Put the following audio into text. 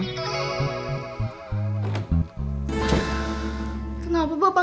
bapak malah seneng kalo kamu pergi jalan jalan